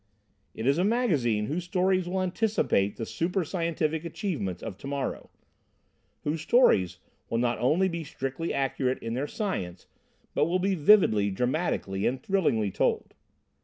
It is a magazine whose stories will anticipate the super scientific achievements of To morrow whose stories will not only be strictly accurate in their science but will be vividly, dramatically and thrillingly told.